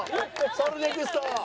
ソルネクスト。